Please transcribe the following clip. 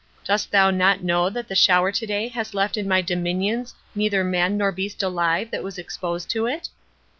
Dost thou not know that the shower to day has left in my dominions neither man nor beast alive that was exposed to it?'